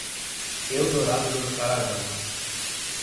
Eldorado do Carajás